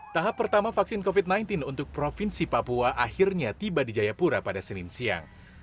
tahap pertama vaksin covid sembilan belas untuk provinsi papua akhirnya tiba di jayapura pada senin siang